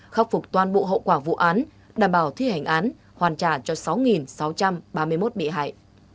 khắc phục toàn bộ hậu quả vụ án đảm bảo thi hành án hoàn trả cho sáu sáu trăm ba mươi một bị hại